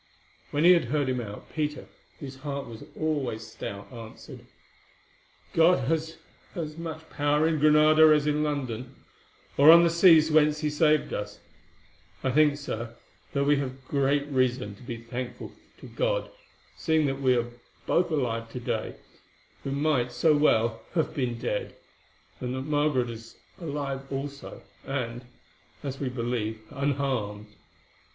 When he had heard him out, Peter, whose heart was always stout, answered: "God has as much power in Granada as in London, or on the seas whence He has saved us. I think, Sir, that we have great reason to be thankful to God, seeing that we are both alive to day, who might so well have been dead, and that Margaret is alive also, and, as we believe, unharmed.